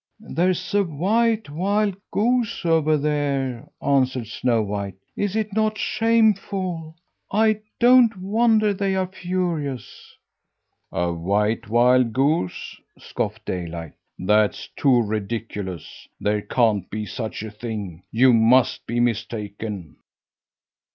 "There's a white wild goose over there," answered Snow White. "Is it not shameful? I don't wonder they are furious!" "A white wild goose?" scoffed Daylight. "That's too ridiculous! There can't be such a thing. You must be mistaken."